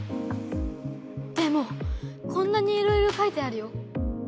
でもこんなにいろいろ書いてあるよ。